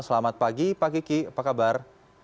selamat pagi pak kiki apa kabar